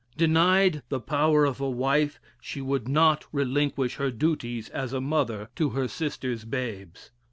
Denied the power of a wife, she would not relinquish her duties as a mother to her sister's babes.